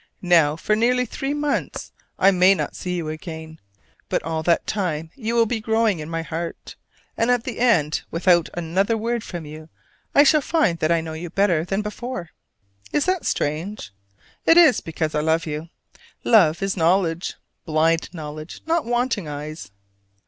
Now for nearly three months I may not see you again; but all that time you will be growing in my heart; and at the end without another word from you I shall find that I know you better than before. Is that strange? It is because I love you: love is knowledge blind knowledge, not wanting eyes.